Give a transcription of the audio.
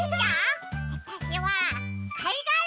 わたしはかいがら！